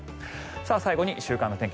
最後に週間天気